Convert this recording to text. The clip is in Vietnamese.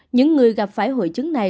những người gặp phải hội chứng này